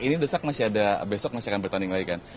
ini desak masih ada besok masih akan bertanding lagi kan